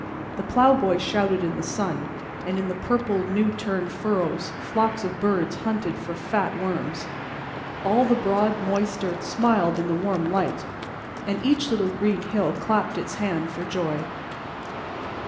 The plowboy shouted in the sun, and in the purple new turned furrows flocks of birds hunted for fat worms. All the broad moist earth smiled in the warm light, and each little green hill clapped its hand for joy.